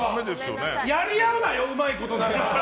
やり合うなよ、うまいこと。